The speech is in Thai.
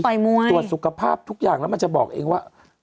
มวยตรวจสุขภาพทุกอย่างแล้วมันจะบอกเองว่า